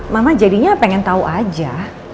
mama jadinya pengen tahu aja